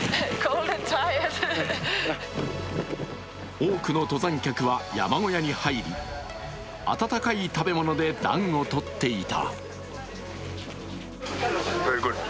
多くの登山客は山小屋に入り温かい食べ物で暖を取っていた。